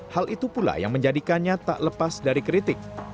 hal itu pula yang menjadikannya tak lepas dari kritik